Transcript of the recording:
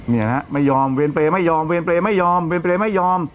นี่นะฮะไม่ยอมเวรเบรไม่ยอมเวรเบรไม่ยอมเวรเบรไม่ยอม